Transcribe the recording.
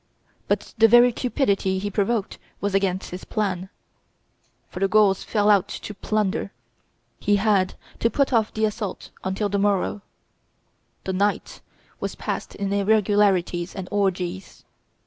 But the very cupidity he provoked was against his plan; for the Gauls fell out to plunder. He had to put off the assault until the morrow. The night was passed in irregularities and orgies.